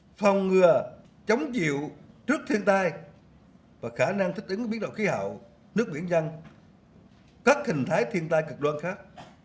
phòng ngừa chống chịu trước thiên tai và khả năng thích ứng với biến đổi khí hậu nước biển dân các hình thái thiên tai cực đoan khác